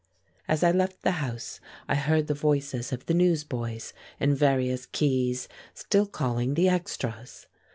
As I left the house I heard the voices of the newsboys in various keys still calling the extras.